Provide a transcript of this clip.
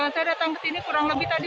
saya datang ke sini kurang lebih tadi